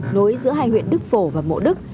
nối giữa hai huyện đức phổ và mộ đức